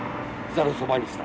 ざるそばにした。